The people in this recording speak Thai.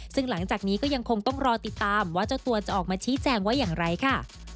ซึ่งหลังจากนี้ก็ยังคงต้องรอติดตามว่าเจ้าตัวจะออกมาชี้แจงว่าอย่างไรค่ะ